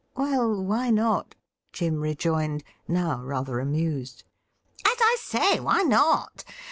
'Well, why not ?'' Jim rejoined, now rather amused. ' As I say, why not